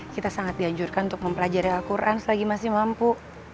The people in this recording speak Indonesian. kita sangat dianjurkan untuk mempelajari al quran selagi masih mampu